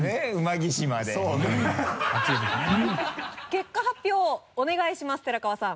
結果発表をお願いします寺川さん。